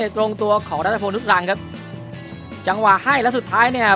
ตรงตัวของรัฐพงศุษรังครับจังหวะให้แล้วสุดท้ายเนี่ย